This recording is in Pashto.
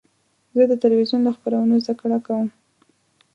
زه د تلویزیون له خپرونو زده کړه کوم.